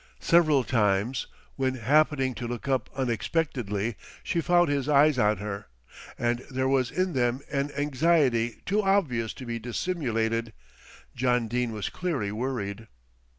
Several times, when happening to look up unexpectedly, she found his eyes on her, and there was in them an anxiety too obvious to be dissimulated. John Dene was clearly worried.